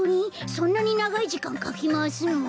そんなにながいじかんかきまわすの？